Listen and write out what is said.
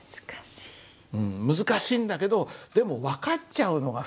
難しいんだけどでも分かっちゃうのが不思議だよね。